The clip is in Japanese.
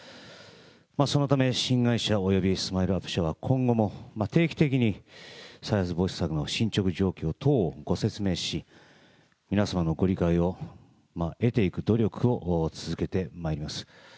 そのため、新会社およびスマイルアップ社は今後も定期的に再発防止策の進捗状況等をご説明し、皆様のご理解を得ていく努力を続けてまいります。